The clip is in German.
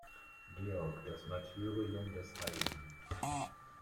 Georg, das Martyrium des Hl.